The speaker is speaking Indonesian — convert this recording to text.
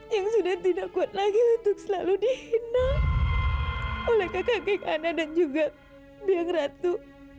yang sudah tidak kuat lagi untuk selalu dihina oleh kakak kakak ana dan juga biang ratu